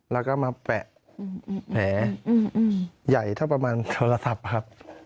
แล้วก็มาแปะแผลใหญ่เท่าประมาณโทรศัพท์ครับ